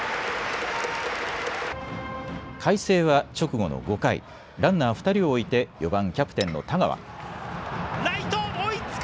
海星は直後の５回、ランナー２人を置いて４番・キャプテンの田川。